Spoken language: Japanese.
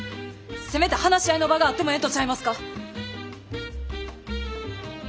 せめて話し合いの場があってもええんとちゃいますか？